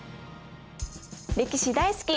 歴史大好き！